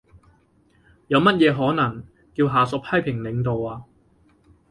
有乜嘢可能叫下屬批評領導呀？